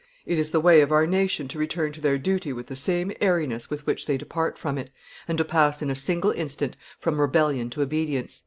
"It is the way of our nation to return to their duty with the same airiness with which they depart from it, and to pass in a single instant from rebellion to obedience."